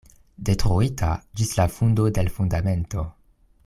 Detruita ĝis la fundo de l' fundamento.